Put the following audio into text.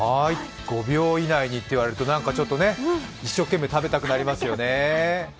５秒以内と言われると一生懸命食べたくなりますよね。